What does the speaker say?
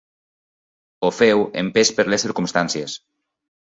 Ho feu empès per les circumstàncies.